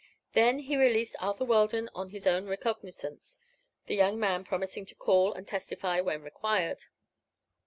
Then he released Arthur Weldon on his own recognisance, the young man promising to call and testify when required.